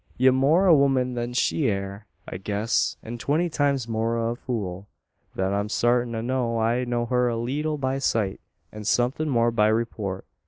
Ye're more o' a woman than she air, I guess; an twenty times more o' a fool. Thet I'm sartint o'. I know her a leetle by sight, an somethin' more by reeport.